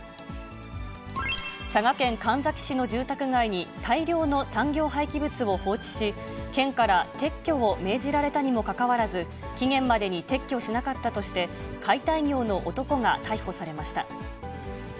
佐賀県神埼市の住宅街に大量の産業廃棄物を放置し、県から撤去を命じられたにもかかわらず、期限までに撤去しなかったとして、解体業の男が逮捕されました。